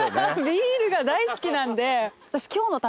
ビールが大好きなんで。